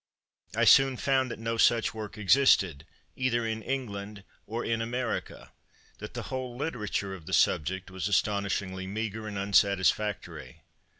I soon found that no such work existed, either in England or in America that the whole literature of the subject was astonishingly meagre and unsatisfactory.